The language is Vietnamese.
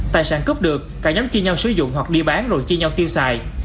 tài sản cướp được cả nhóm chia nhau sử dụng hoặc đi bán rồi chia nhau tiêu xài